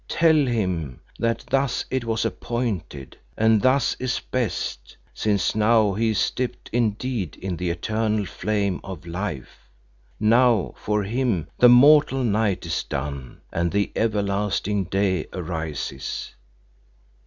Tell him that thus it was appointed, and thus is best, since now he is dipped indeed in the eternal Flame of Life; now for him the mortal night is done and the everlasting day arises.